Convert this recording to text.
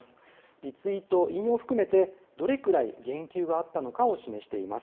リツイート、引用含めて、どれくらい言及があったのかを示しています。